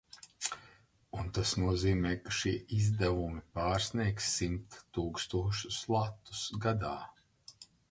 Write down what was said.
Un tas nozīmē, ka šie izdevumi pārsniegs simt tūkstošus latus gadā.